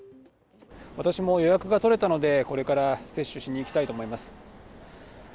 私も予約が取れたので、これから接種しに行きたいと思います。